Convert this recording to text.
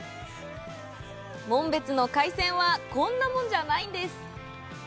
紋別の海はこんなもんじゃないんです！